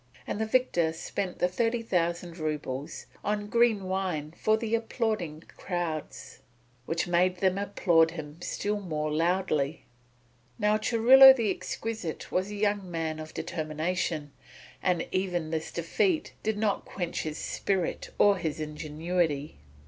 And the victor spent the thirty thousand roubles on green wine for the applauding crowds, which made them applaud him still more loudly. Now Churilo the Exquisite was a young man of determination, and even this defeat did not quench his spirit or his ingenuity.